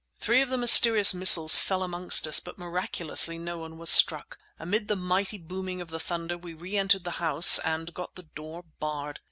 Three of the mysterious missiles fell amongst us, but miraculously no one was struck. Amid the mighty booming of the thunder we reentered the houses and got the door barred.